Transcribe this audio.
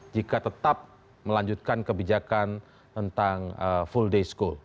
jika tetap melanjutkan kebijakan tentang full day school